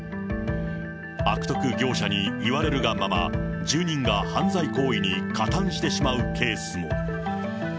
悪徳業者に言われるがまま、住人が犯罪行為に加担してしまうケースも。